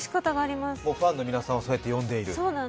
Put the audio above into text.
ファンの皆さんはそうやって呼んでいる？